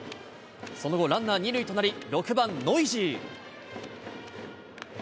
その後、ランナー二塁となり、６番ノイジー。